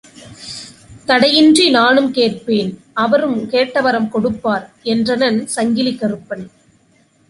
தடையின்றி நானுங் கேட்பேன் அவருங் கேட்டவரங் கொடுப்பார் என்றனன் சங்கிலிக் கறுப்பன்.